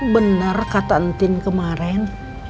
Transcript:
benar kata entin kemarin